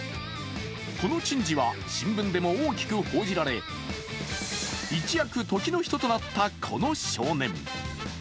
この珍事は新聞でも大きく報じられ一躍、時の人となったこの少年。